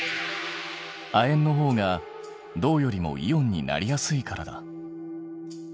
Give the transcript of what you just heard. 亜鉛のほうが銅よりもイオンになりやすいからだ。